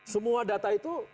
semua data itu